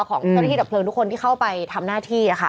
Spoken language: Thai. ของเจ้าหน้าที่ดับเพลิงทุกคนที่เข้าไปทำหน้าที่